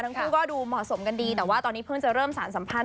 ทั้งคู่ก็ดูเหมาะสมกันดีแต่ว่าตอนนี้เพิ่งจะเริ่มสารสัมพันธ